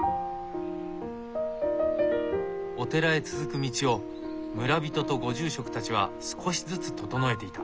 お寺へ続く道を村人とご住職たちは少しずつ整えていた。